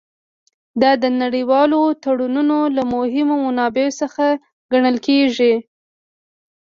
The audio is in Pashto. دا د نړیوالو تړونونو له مهمو منابعو څخه ګڼل کیږي